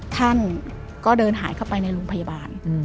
ท่านก็เดินหายเข้าไปในโรงพยาบาล